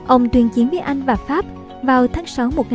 ông tuyên chiến với anh và pháp vào tháng sáu một nghìn chín trăm bốn mươi